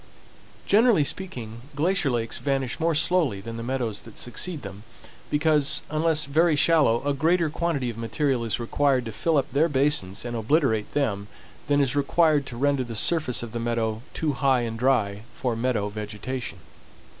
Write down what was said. Generally speaking, glacier lakes vanish more slowly than the meadows that succeed them, because, unless very shallow, a greater quantity of material is required to fill up their basins and obliterate them than is required to render the surface of the meadow too high and dry for meadow vegetation.